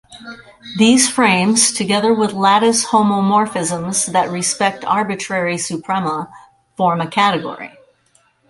These frames, together with lattice homomorphisms that respect arbitrary suprema, form a category.